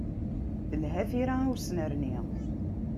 Telha tira i usnerni.